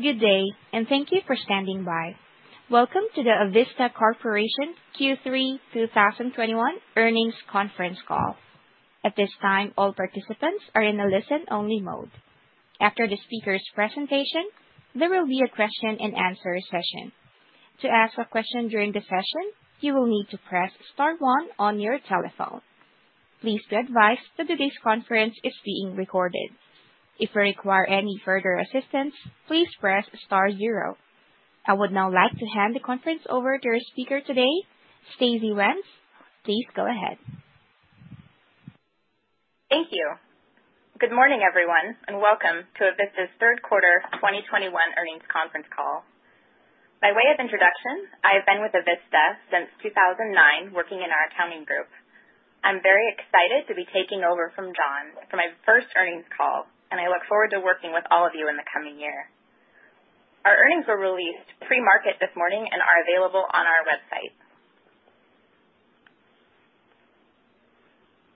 Good day, and thank you for standing by. Welcome to the Avista Corporation Q3 2021 earnings conference call. At this time, all participants are in a listen-only mode. After the speaker's presentation, there will be a question-and-answer session. To ask a question during the session, you will need to press star one on your telephone. Please be advised that today's conference is being recorded. If you require any further assistance, please press star zero. I would now like to hand the conference over to our speaker today, Stacey Wenz. Please go ahead. Thank you. Good morning, everyone, and welcome to Avista's third quarter 2021 earnings conference call. By way of introduction, I have been with Avista since 2009, working in our accounting group. I'm very excited to be taking over from John for my first earnings call, and I look forward to working with all of you in the coming year. Our earnings were released pre-market this morning and are available on our website.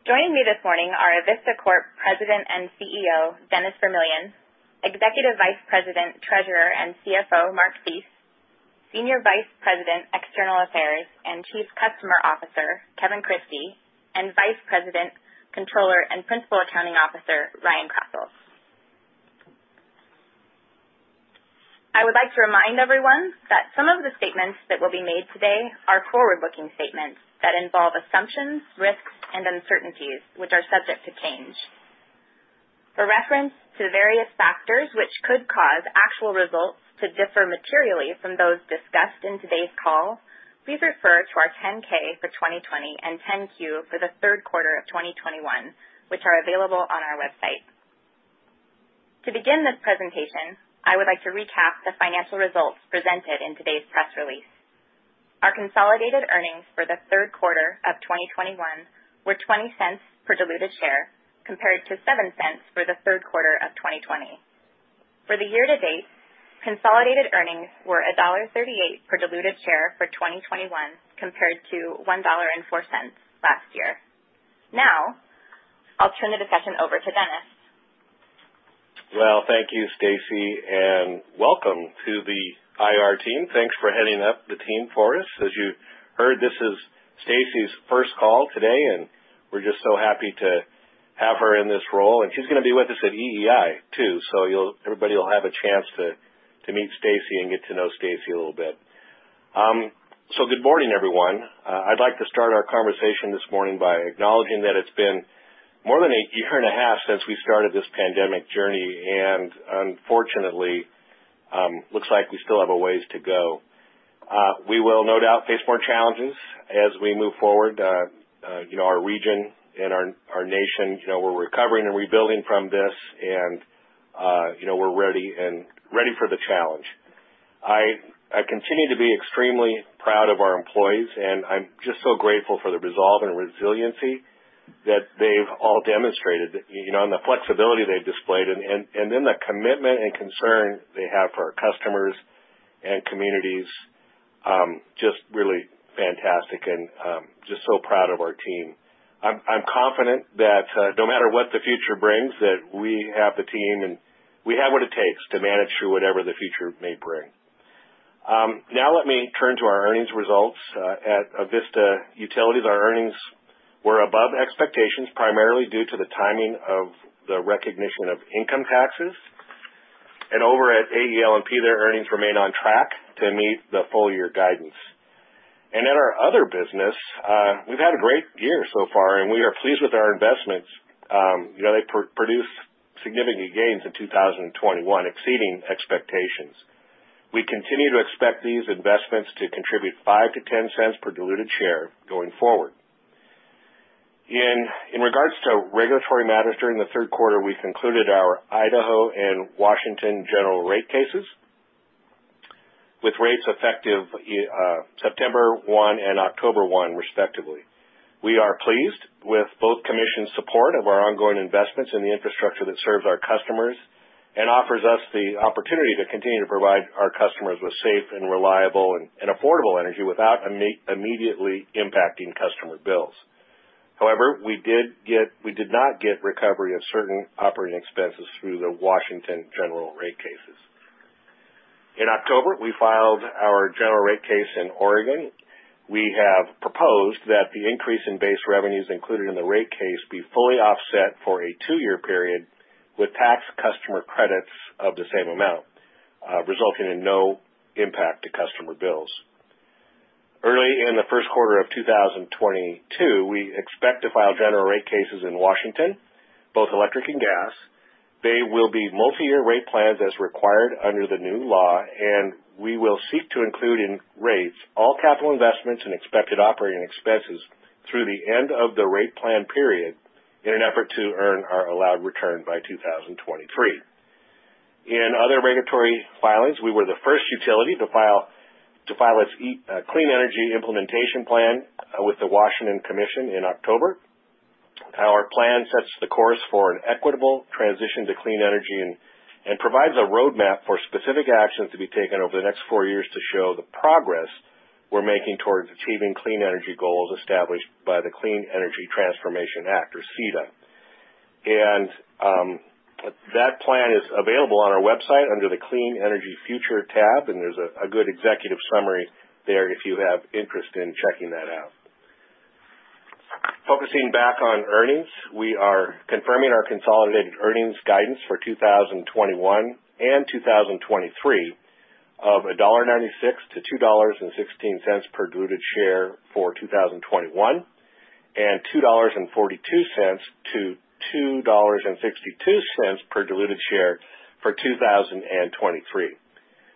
Joining me this morning are Avista Corp President and CEO, Dennis Vermillion, Executive Vice President, Treasurer, and CFO, Mark Thies, Senior Vice President, External Affairs, and Chief Customer Officer, Kevin Christie, and Vice President, Controller, and Principal Accounting Officer, Ryan Krasselt. I would like to remind everyone that some of the statements that will be made today are forward-looking statements that involve assumptions, risks, and uncertainties which are subject to change. For reference to the various factors which could cause actual results to differ materially from those discussed in today's call, please refer to our 10-K for 2020 and 10-Q for the third quarter of 2021, which are available on our website. To begin this presentation, I would like to recap the financial results presented in today's press release. Our consolidated earnings for the third quarter of 2021 were $0.20 per diluted share, compared to $0.07 for the third quarter of 2020. For the year-to-date, consolidated earnings were $1.38 per diluted share for 2021, compared to $1.04 last year. Now, I'll turn the discussion over to Dennis Vermillion. Well, thank you, Stacey, and welcome to the IR team. Thanks for heading up the team for us. As you heard, this is Stacey's first call today, and we're just so happy to have her in this role. She's gonna be with us at EEI, too. Everybody will have a chance to meet Stacey and get to know Stacey a little bit. Good morning, everyone. I'd like to start our conversation this morning by acknowledging that it's been more than a year and a half since we started this pandemic journey, and unfortunately, looks like we still have a ways to go. We will no doubt face more challenges as we move forward. You know, our region and our nation, you know, we're recovering and rebuilding from this and, you know, we're ready for the challenge. I continue to be extremely proud of our employees, and I'm just so grateful for the resolve and resiliency that they've all demonstrated, you know, and the flexibility they've displayed. Then the commitment and concern they have for our customers and communities, just really fantastic and just so proud of our team. I'm confident that, no matter what the future brings, that we have the team and we have what it takes to manage through whatever the future may bring. Now let me turn to our earnings results. At Avista Utilities, our earnings were above expectations, primarily due to the timing of the recognition of income taxes. Over at AEL&P, their earnings remain on track to meet the full-year guidance. In our other business, we've had a great year so far, and we are pleased with our investments. You know, they produce significant gains in 2021, exceeding expectations. We continue to expect these investments to contribute $0.05-$0.10 per diluted share going forward. In regards to regulatory matters during the third quarter, we concluded our Idaho and Washington general rate cases with rates effective September 1 and October 1, respectively. We are pleased with both commissions' support of our ongoing investments in the infrastructure that serves our customers and offers us the opportunity to continue to provide our customers with safe and reliable and affordable energy without immediately impacting customer bills. However, we did not get recovery of certain operating expenses through the Washington general rate cases. In October, we filed our general rate case in Oregon. We have proposed that the increase in base revenues included in the rate case be fully offset for a two-year period with tax customer credits of the same amount, resulting in no impact to customer bills. Early in the first quarter of 2022, we expect to file general rate cases in Washington, both electric and gas. They will be multi-year rate plans as required under the new law, and we will seek to include in rates all capital investments and expected operating expenses through the end of the rate plan period in an effort to earn our allowed return by 2023. In other regulatory filings, we were the first utility to file its Clean Energy Implementation Plan with the Washington Commission in October. Our plan sets the course for an equitable transition to clean energy and provides a roadmap for specific actions to be taken over the next four years to show the progress we're making towards achieving clean energy goals established by the Clean Energy Transformation Act, or CETA. That plan is available on our website under the Clean Energy Future tab, and there's a good executive summary there if you have interest in checking that out. Focusing back on earnings, we are confirming our consolidated earnings guidance for 2021 and 2023 of $1.96-$2.16 per diluted share for 2021, and $2.42-$2.62 per diluted share for 2023.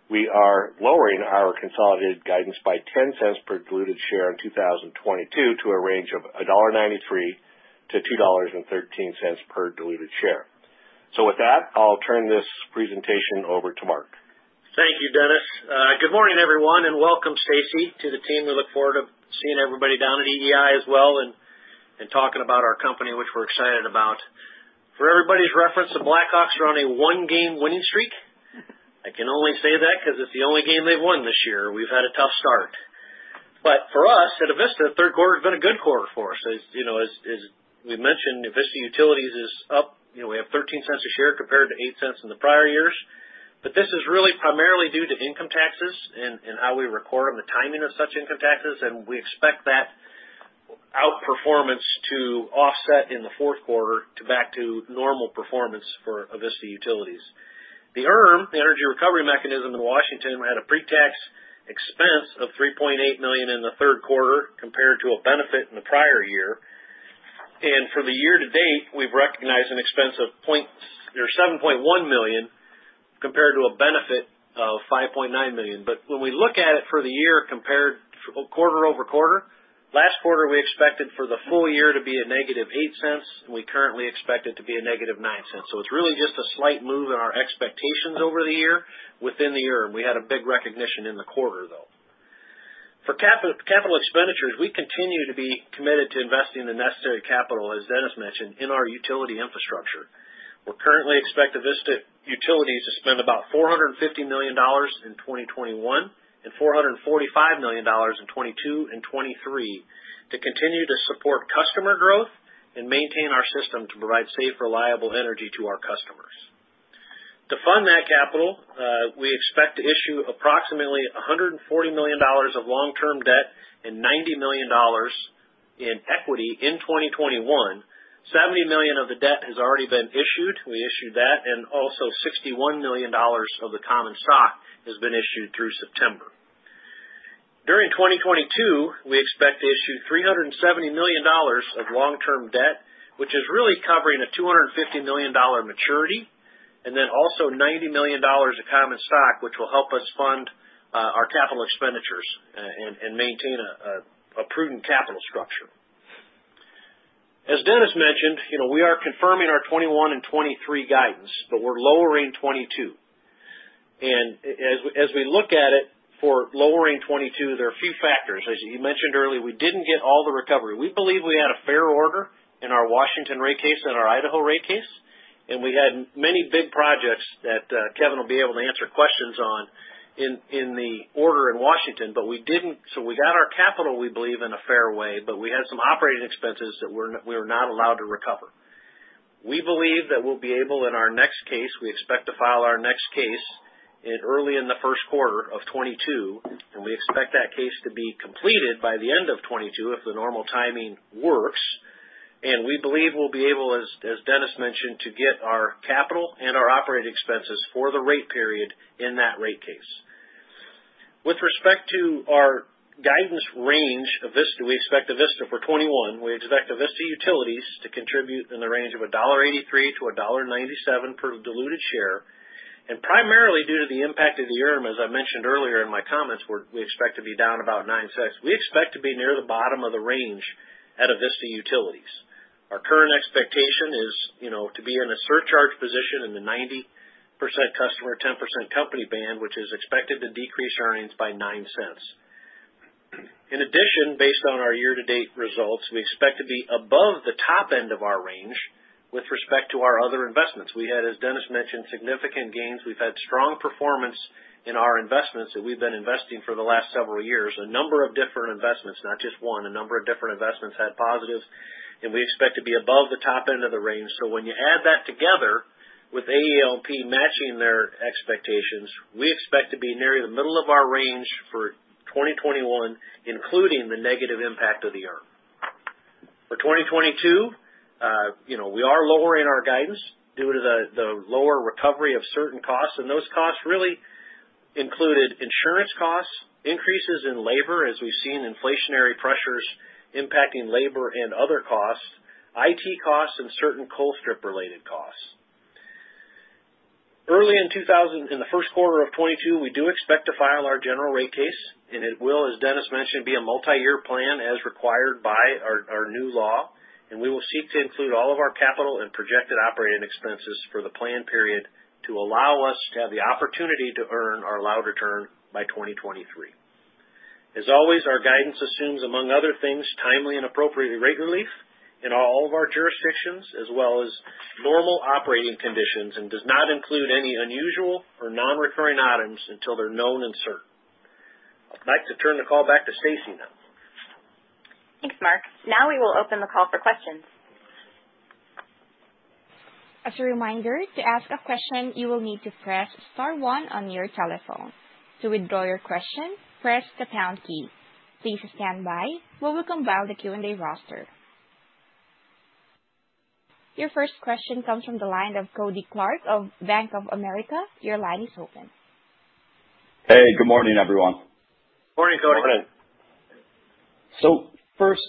We are lowering our consolidated guidance by 10 cents per diluted share in 2022 to a range of $1.93-$2.13 per diluted share. With that, I'll turn this presentation over to Mark. Thank you, Dennis. Good morning everyone, and welcome Stacey to the team. We look forward to seeing everybody down at EEI as well and talking about our company, which we're excited about. For everybody's reference, the Blackhawks are on a one-game winning streak. I can only say that 'cause it's the only game they've won this year. We've had a tough start. For us, at Avista, the third quarter's been a good quarter for us. You know, as we mentioned, Avista Utilities is up. You know, we have $0.13 per share compared to $0.08 in the prior years. This is really primarily due to income taxes and how we record them, the timing of such income taxes. We expect that outperformance to offset in the fourth quarter to back to normal performance for Avista Utilities. The ERM, the Energy Recovery Mechanism in Washington, had a pre-tax expense of $3.8 million in the third quarter compared to a benefit in the prior year. For the year to date, we've recognized an expense of $7.1 million compared to a benefit of $5.9 million. When we look at it for the year quarter-over-quarter, last quarter, we expected for the full year to be -$0.08, and we currently expect it to be -$0.09. It's really just a slight move in our expectations over the year within the ERM. We had a big recognition in the quarter, though. For capital expenditures, we continue to be committed to investing the necessary capital, as Dennis mentioned, in our utility infrastructure. We currently expect Avista Utilities to spend about $450 million in 2021 and $445 million in 2022 and 2023 to continue to support customer growth and maintain our system to provide safe, reliable energy to our customers. To fund that capital, we expect to issue approximately $140 million of long-term debt and $90 million in equity in 2021. $70 million of the debt has already been issued. We issued that, and also $61 million of the common stock has been issued through September. During 2022, we expect to issue $370 million of long-term debt, which is really covering a $250 million maturity, and then also $90 million of common stock, which will help us fund our capital expenditures and maintain a prudent capital structure. As Dennis mentioned, you know, we are confirming our 2021 and 2023 guidance, but we're lowering 2022. As we look at it for lowering 2022, there are a few factors. As you mentioned earlier, we didn't get all the recovery. We believe we had a fair order in our Washington rate case and our Idaho rate case, and we had many big projects that Kevin will be able to answer questions on in the order in Washington. We got our capital, we believe, in a fair way, but we had some operating expenses that we're not allowed to recover. We believe that we'll be able, in our next case, we expect to file our next case in early in the first quarter of 2022, and we expect that case to be completed by the end of 2022 if the normal timing works. We believe we'll be able, as Dennis mentioned, to get our capital and our operating expenses for the rate period in that rate case. With respect to our guidance range, Avista, we expect Avista Utilities to contribute in the range of $1.83-$1.97 per diluted share. Primarily due to the impact of the ERM, as I mentioned earlier in my comments, we're, we expect to be down about $0.09. We expect to be near the bottom of the range at Avista Utilities. Our current expectation is, you know, to be in a surcharge position in the 90% customer, 10% company band, which is expected to decrease earnings by $0.09. In addition, based on our year-to-date results, we expect to be above the top end of our range with respect to our other investments. We had, as Dennis mentioned, significant gains. We've had strong performance in our investments that we've been investing for the last several years. A number of different investments, not just one, had positives, and we expect to be above the top end of the range. When you add that together with AEL&P matching their expectations, we expect to be near the middle of our range for 2021, including the negative impact of the ERM. For 2022, we are lowering our guidance due to the lower recovery of certain costs, and those costs really included insurance costs, increases in labor as we've seen inflationary pressures impacting labor and other costs, IT costs, and certain Colstrip-related costs. Early in the first quarter of 2022, we do expect to file our general rate case, and it will, as Dennis mentioned, be a multi-year plan as required by our new law. We will seek to include all of our capital and projected operating expenses for the plan period to allow us to have the opportunity to earn our allowed return by 2023. As always, our guidance assumes, among other things, timely and appropriate rate relief in all of our jurisdictions as well as normal operating conditions and does not include any unusual or non-recurring items until they're known and certain. I'd like to turn the call back to Stacey now. Thanks, Mark. Now we will open the call for questions. As a reminder, to ask a question, you will need to press star one on your telephone. To withdraw your question, press the pound key. Please stand by while we compile the Q&A roster. Your first question comes from the line of Cody Clark of Bank of America. Your line is open. Hey, good morning, everyone. Morning, Cody. First,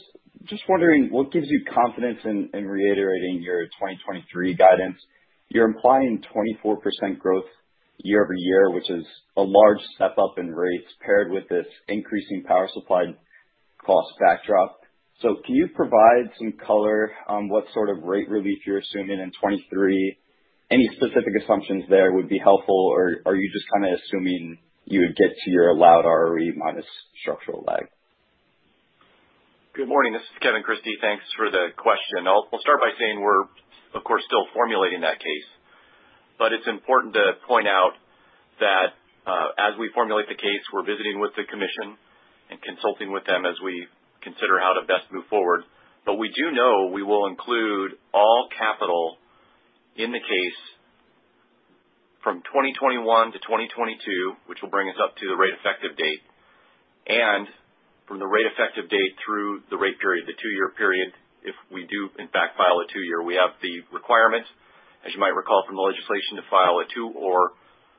just wondering what gives you confidence in reiterating your 2023 guidance. You're implying 24% growth year-over-year, which is a large step up in rates paired with this increasing power supply cost backdrop. Can you provide some color on what sort of rate relief you're assuming in 2023? Any specific assumptions there would be helpful, or are you just kinda assuming you would get to your allowed ROE minus structural lag? Good morning. This is Kevin Christie. Thanks for the question. I'll start by saying we're of course still formulating that case. It's important to point out that, as we formulate the case, we're visiting with the Commission and consulting with them as we consider how to best move forward. We do know we will include all capital in the case from 2021 to 2022, which will bring us up to the rate effective date. From the rate effective date through the rate period, the two-year period, if we do in fact file a two-year, we have the requirement, as you might recall from the legislation, to file a two or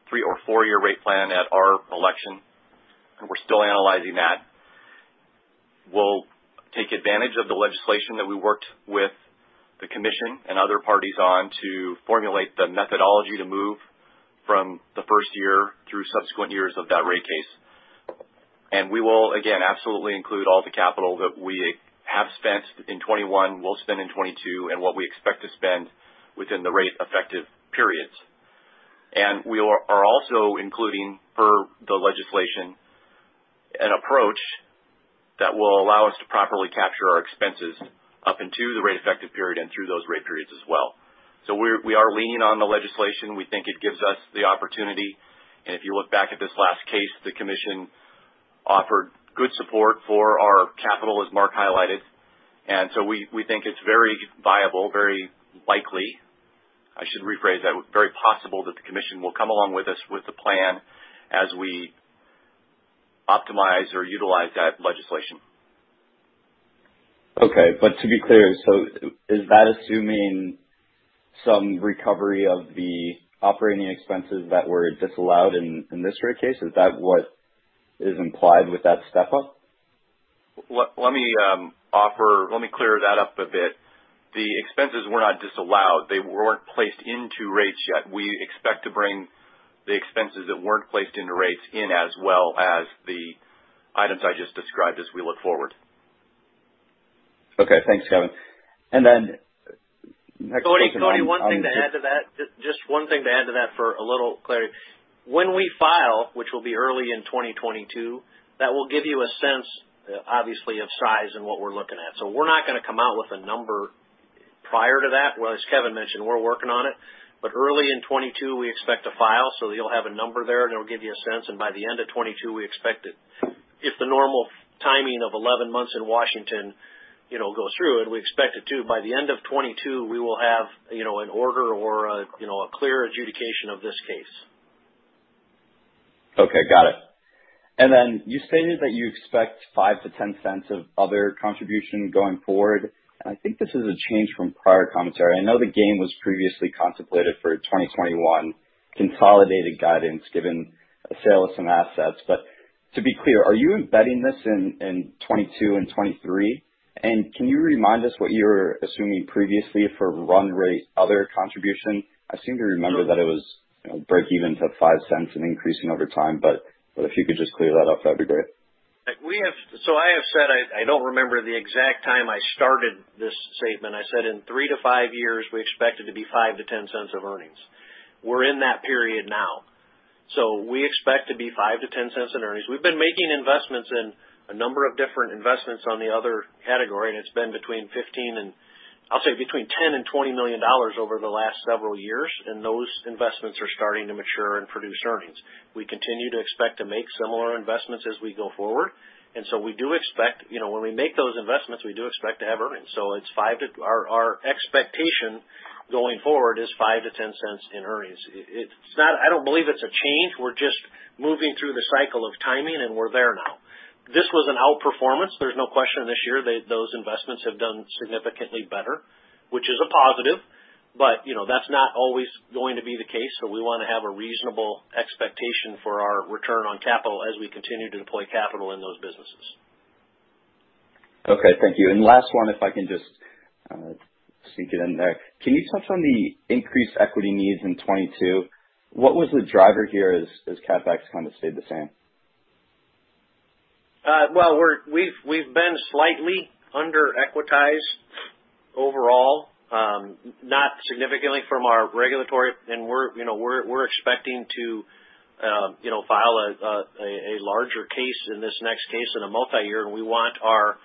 three or four-year rate plan at our election, and we're still analyzing that. We'll take advantage of the legislation that we worked with the commission and other parties on to formulate the methodology to move from the first year through subsequent years of that rate case. We will, again, absolutely include all the capital that we have spent in 2021, will spend in 2022, and what we expect to spend within the rate effective periods. We are also including, per the legislation, an approach that will allow us to properly capture our expenses up into the rate effective period and through those rate periods as well. We are leaning on the legislation. We think it gives us the opportunity. If you look back at this last case, the commission offered good support for our capital, as Mark highlighted. We think it's very viable, very likely. I should rephrase that. Very possible that the commission will come along with us with the plan as we optimize or utilize that legislation. Okay. To be clear, so is that assuming some recovery of the operating expenses that were disallowed in this rate case? Is that what is implied with that step up? Let me clear that up a bit. The expenses were not disallowed. They weren't placed into rates yet. We expect to bring the expenses that weren't placed into rates in as well as the items I just described as we look forward. Okay, thanks, Kevin. Next question. Cody, just one thing to add to that for a little clarity. When we file, which will be early in 2022, that will give you a sense, obviously, of size and what we're looking at. We're not gonna come out with a number prior to that. Well, as Kevin mentioned, we're working on it, but early in 2022 we expect to file, so you'll have a number there, and it'll give you a sense. By the end of 2022, we expect it. If the normal timing of 11 months in Washington, you know, goes through, and we expect it to, by the end of 2022, we will have, you know, an order or, you know, a clear adjudication of this case. Okay, got it. Then you stated that you expect $0.05-$0.10 of other contribution going forward. I think this is a change from prior commentary. I know the gain was previously contemplated for 2021 consolidated guidance given a sale of some assets. To be clear, are you embedding this in 2022 and 2023? Can you remind us what you were assuming previously for run rate other contribution? I seem to remember that it was, you know, breakeven to $0.05 and increasing over time, but if you could just clear that up, that'd be great. I have said, I don't remember the exact time I started this statement. I said in three to five years, we expect it to be $0.05-$0.10 of earnings. We're in that period now. We expect to be $0.05-$0.10 in earnings. We've been making investments in a number of different investments on the other category, and it's been between 15 and, I'll say, between $10-$20 million over the last several years, and those investments are starting to mature and produce earnings. We continue to expect to make similar investments as we go forward, and so we do expect, you know, when we make those investments, we do expect to have earnings. Our expectation going forward is $0.05-$0.10 in earnings. It's not. I don't believe it's a change. We're just moving through the cycle of timing, and we're there now. This was an outperformance. There's no question this year that those investments have done significantly better, which is a positive. But, you know, that's not always going to be the case. We wanna have a reasonable expectation for our return on capital as we continue to deploy capital in those businesses. Okay. Thank you. Last one, if I can just sneak it in there. Can you touch on the increased equity needs in 2022? What was the driver here as CapEx kind of stayed the same? Well, we've been slightly under equitized overall. Not significantly from our regulatory. We're expecting to file a larger case in this next case in a multi-year, and we want our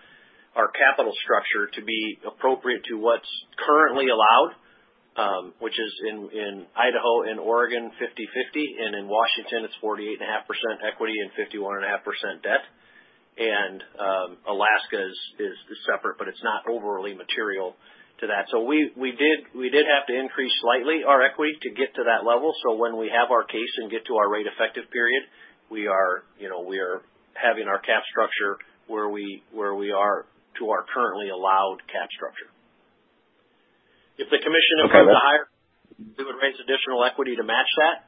capital structure to be appropriate to what's currently allowed. Which is in Idaho and Oregon, 50/50. In Washington it's 48.5% equity and 51.5% debt. Alaska is separate, but it's not overly material to that. We did have to increase slightly our equity to get to that level. When we have our case and get to our rate effective period, we are having our cap structure where we are to our currently allowed cap structure. If the Commission approves the higher, we would raise additional equity to match that.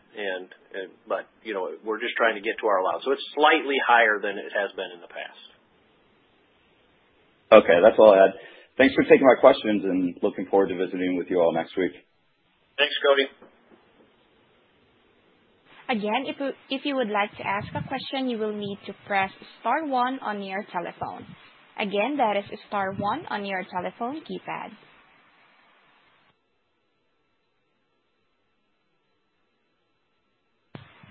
You know, we're just trying to get to our allowed. It's slightly higher than it has been in the past. Okay. That's all I had. Thanks for taking my questions, and looking forward to visiting with you all next week. Thanks, Cody. Again, if you would like to ask a question, you will need to press star one on your telephone. Again, that is star one on your telephone keypad.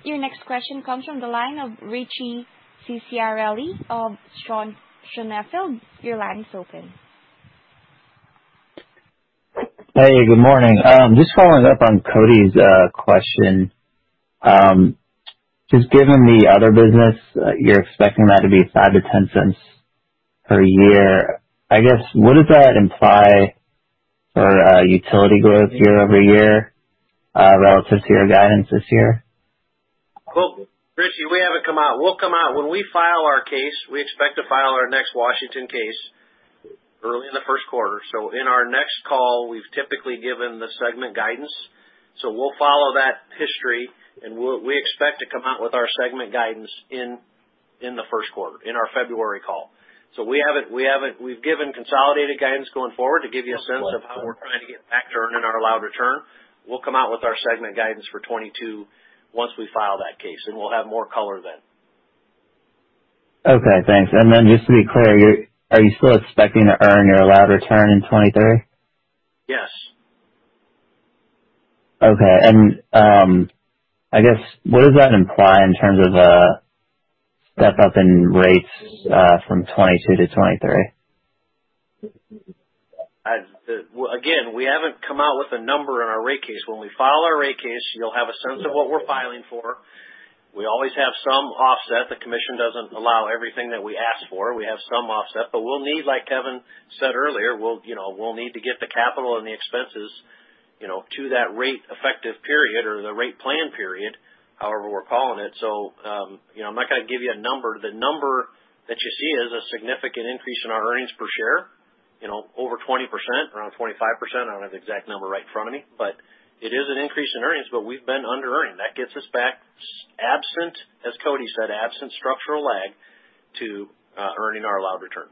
Your next question comes from the line of Richie Ciccarelli of Schonfeld. Your line is open. Hey, good morning. Just following up on Cody's question. Just given the other business, you're expecting that to be $0.05-$0.10 per year. I guess, what does that imply for utility growth year-over-year, relative to your guidance this year? Well, Richie, we haven't come out. We'll come out when we file our case. We expect to file our next Washington case early in the first quarter. In our next call, we've typically given the segment guidance. We'll follow that history, and we expect to come out with our segment guidance in the first quarter, in our February call. We haven't, we've given consolidated guidance going forward to give you a sense of how we're trying to get back to earning our allowed return. We'll come out with our segment guidance for 2022 once we file that case, and we'll have more color then. Okay, thanks. Just to be clear, are you still expecting to earn your allowed return in 2023? Yes. Okay. I guess, what does that imply in terms of, step up in rates, from 2022 to 2023? I've, well, again, we haven't come out with a number in our rate case. When we file our rate case, you'll have a sense of what we're filing for. We always have some offset. The commission doesn't allow everything that we ask for. We have some offset, but we'll need, like Kevin said earlier, you know, to get the capital and the expenses, you know, to that rate effective period or the rate plan period, however we're calling it. You know, I'm not going to give you a number. The number that you see is a significant increase in our earnings per share, you know, over 20%, around 25%. I don't have the exact number right in front of me. But it is an increase in earnings. We've been under earning. That gets us back. Absent, as Cody said, absent structural lag to earning our allowed return.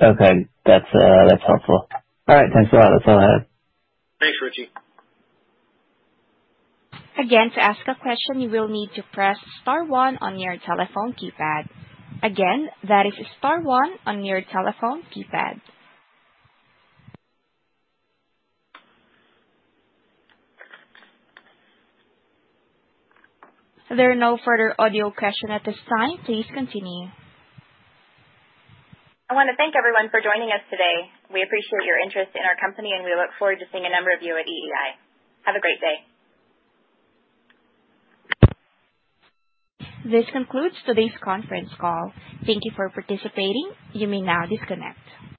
Okay. That's helpful. All right, thanks a lot. That's all I had. Thanks, Richie. Again, to ask a question, you will need to press star one on your telephone keypad. Again, that is star one on your telephone keypad. There are no further audio question at this time. Please continue. I want to thank everyone for joining us today. We appreciate your interest in our company, and we look forward to seeing a number of you at EEI. Have a great day. This concludes today's conference call. Thank you for participating. You may now disconnect.